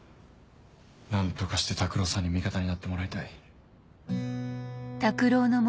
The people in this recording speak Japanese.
何とかして拓郎さんに味方になってもらいたい。